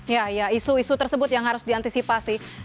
ya ya isu isu tersebut yang harus diantisipasi